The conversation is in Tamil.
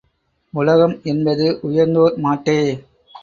உலகம் என்பது உயர்ந்தோர் மாட்டே.